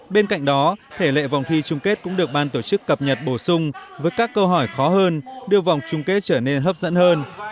bên cạnh đó thể lệ vòng thi chung kết cũng được ban tổ chức cập nhật bổ sung với các câu hỏi khó hơn đưa vòng chung kết trở nên hấp dẫn hơn